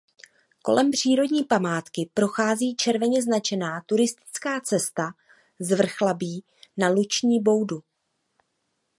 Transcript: Kolem přírodní památky prochází červeně značená turistická cesta z Vrchlabí na Luční boudu.